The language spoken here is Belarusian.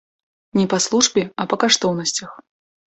Не па службе, а па каштоўнасцях.